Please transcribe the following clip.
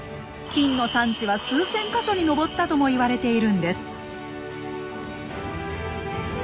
金の産地は数千か所に上ったとも言われているんです。